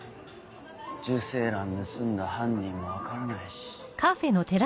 受精卵盗んだ犯人も分からないし。